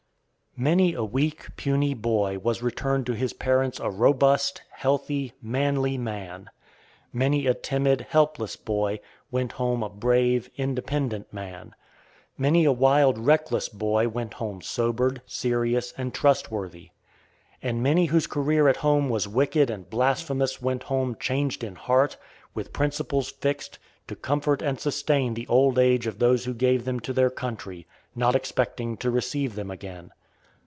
Many a weak, puny boy was returned to his parents a robust, healthy, manly man. Many a timid, helpless boy went home a brave, independent man. Many a wild, reckless boy went home sobered, serious, and trustworthy. And many whose career at home was wicked and blasphemous went home changed in heart, with principles fixed, to comfort and sustain the old age of those who gave them to their country, not expecting to receive them again.